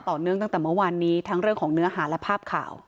เนื่องตั้งแต่เมื่อวานนี้ทั้งเรื่องของเนื้อหาและภาพข่าว